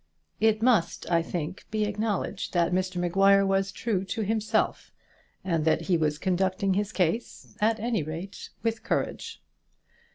It must, I think, be acknowledged that Mr Maguire was true to himself, and that he was conducting his case at any rate with courage.